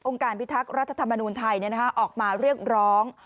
การพิทักษ์รัฐธรรมนูญไทยออกมาเรียกร้อง